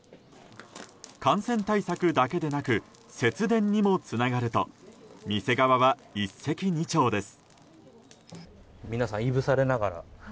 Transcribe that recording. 感染対策だけでなく節電にもつながると店側は一石二鳥です。